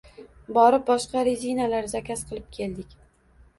Borib boshqa rezinalar zakaz qilib keldik